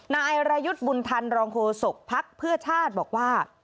นายรยุทธ์บุญธันรองโคศกพักเพื่อชาติบอกว่า